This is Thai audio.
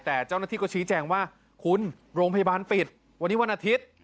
แต่เจ้าหน้าที่ก็ชี้แจงว่าคุณโรงพยาบาลปิดวันนี้วันอาทิตย์